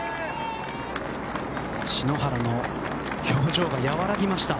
篠原の表情が和らぎました。